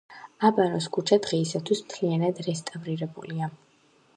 აბანოს ქუჩა დღეისათვის მთლიანად რესტავრირებულია.